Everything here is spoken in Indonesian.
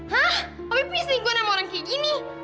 hah mami punya selingkuhan sama orang kayak gini